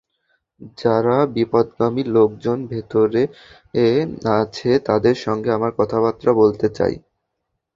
যারা বিপদগামী লোকজন ভেতরে আছে, তাদের সঙ্গে আমরা কথাবার্তা বলতে চাই।